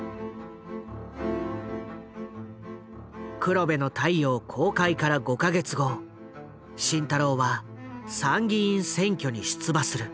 「黒部の太陽」公開から５か月後慎太郎は参議院選挙に出馬する。